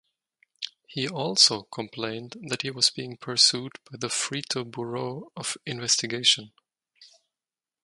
He also complained that he was being pursued by the Frito Bureau of Investigation.